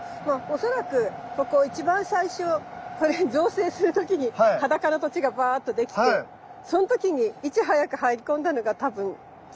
恐らくここ一番最初これ造成する時に裸の土地がバーッとできてその時にいち早く入り込んだのが多分スギナ。